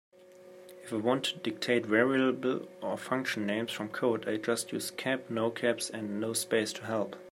If I want to dictate variable or function names from code, I just use "cap", "no caps", and "no space" to help.